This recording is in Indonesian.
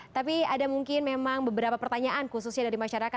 tapi ada mungkin memang beberapa pertanyaan khususnya dari masyarakat